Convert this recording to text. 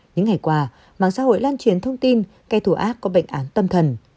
những ngày qua mạng xã hội lan truyền thông tin kẻ thù ác có bệnh án tâm thần